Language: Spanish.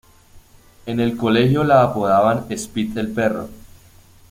En el colegio la apodaban "Spit el perro".